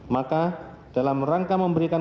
maka dalam rangka memberikan